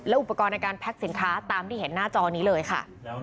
อุปกรณ์ในการแพ็คสินค้าตามที่เห็นหน้าจอนี้เลยค่ะ